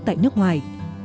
tại nước ngoài